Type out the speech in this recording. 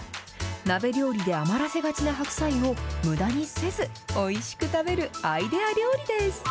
鍋料理で余らせがちな白菜をむだにせず、おいしく食べるアイデア料理です。